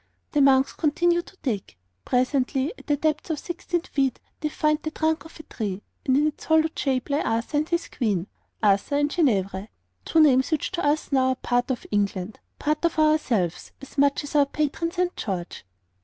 The monks continue to dig. Presently, at the depth of 16 feet, they find the trunk of a tree, and in its hollowed shape lie Arthur and his Queen Arthur and Guinevere, two names which to us now are part of England, part of ourselves, as much as our patron St. George.